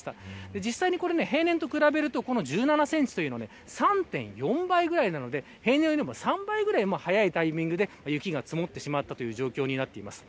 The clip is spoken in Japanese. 実際に平年と比べると１７センチというのは３．４倍ぐらいなので平年よりも３倍くらい早いタイミングで雪が積もってしまったという状況になっています。